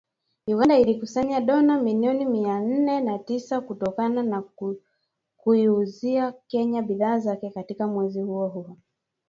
Uganda ilikusanya dola milioni mia nne na tisa kutokana na kuiuzia Kenya bidhaa zake katika mwezi huo huo